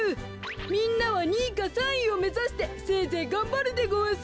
みんなは２いか３いをめざしてせいぜいがんばるでごわす。